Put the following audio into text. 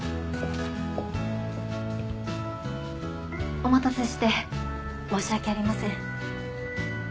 お待たせして申し訳ありません。